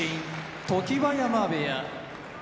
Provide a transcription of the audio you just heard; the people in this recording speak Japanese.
常盤山部屋